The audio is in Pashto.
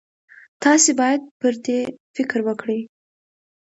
تاسې باید پر دې فکر وکړئ.